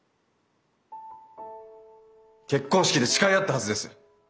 結婚式で誓い合ったはずです。